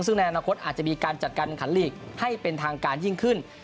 ซึ่งในอนาคตอาจจะมีการจัดการแข่งขันลีกให้เป็นทางการยิ่งขึ้น